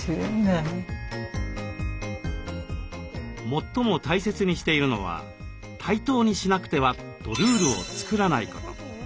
最も大切にしているのは対等にしなくてはとルールを作らないこと。